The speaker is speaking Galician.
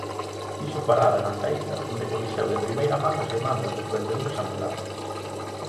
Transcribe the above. Fixo parada na feira, onde coñeceu de primeira man as demandas dos vendedores ambulantes.